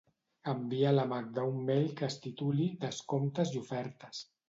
Envia a la Magda un mail que es tituli "descomptes i ofertes".